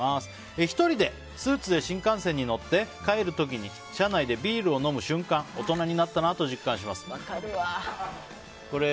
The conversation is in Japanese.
１人でスーツで新幹線に乗って帰る時に車内でビールを飲む瞬間大人になったなと分かるわ。